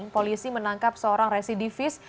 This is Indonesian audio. polisi menangkap seorang residivis